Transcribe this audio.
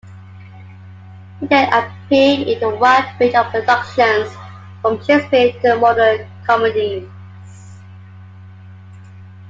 He then appeared in a wide range of productions from Shakespeare to modern comedies.